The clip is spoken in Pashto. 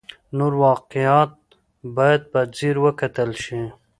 نور واقعیات باید په ځیر وکتل شي.